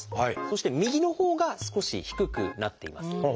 そして右のほうが少し低くなっています。